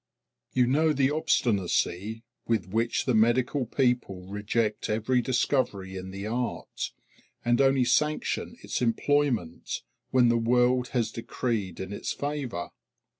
You know the obstinacy with which the medical people reject every discovery in the art, and only sanction its employment when the world has decreed in its favor.